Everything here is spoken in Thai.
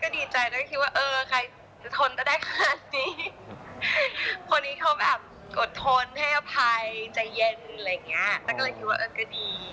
ก็ดีค่ะแล้วก็ดีใจแล้วก็คิดว่าเออใครจะทนตะได้ขนาดนี้